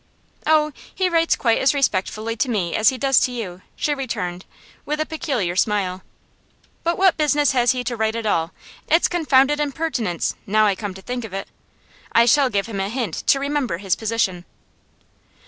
'Oh, he writes quite as respectfully to me as he does to you,' she returned, with a peculiar smile. 'But what business has he to write at all? It's confounded impertinence, now I come to think of it. I shall give him a hint to remember his position.